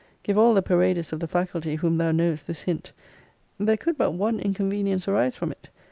Give all the paraders of the faculty whom thou knowest this hint. There could but one inconvenience arise from it.